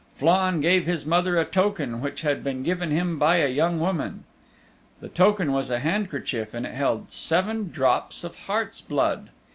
Flann gave his mother a token which had been given him by a young woman. The token was a handkerchief and it held seven drops of heart's blood.